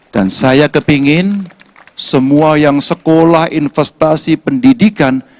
dan saya kepingin semua yang sekolah investasi pendidikan